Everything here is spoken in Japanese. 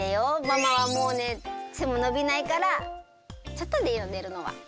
ママはもうね背も伸びないからちょっとでいいの寝るのは。